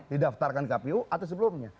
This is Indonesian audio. didaftarkan kpu atau sebelumnya